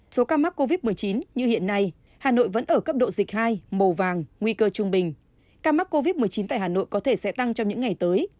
số ca mắc covid một mươi chín như hiện nay hà nội vẫn ở cấp độ dịch hai màu vàng nguy cơ trung bình ca mắc covid một mươi chín tại hà nội có thể sẽ tăng trong những ngày tới